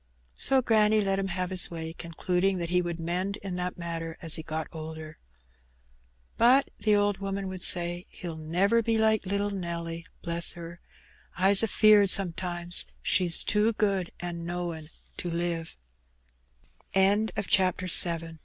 So granny let him have his way, concluding that he would mend in that matter as he got older. "But," the old woman would say, "he'll never be like little Nelly. Bless her! I's afeard, sometimes, she's too good an' knowin'